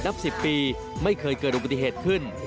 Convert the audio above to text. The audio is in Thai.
นับ๑๐ปีไม่เคยเกิดอุบัติเหตุขึ้น